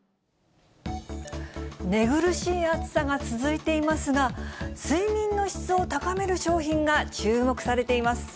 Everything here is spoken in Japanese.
寝苦しい暑さが続いていますが、睡眠の質を高める商品が注目されています。